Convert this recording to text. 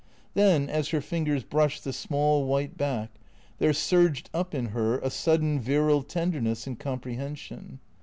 Then, as her fingers brushed the small white back, there surged up in her a sudden virile tenderness and comprehension.